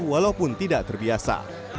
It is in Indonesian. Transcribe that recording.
walaupun tidak terbiasa